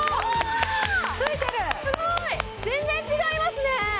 ついてるすごい全然違いますね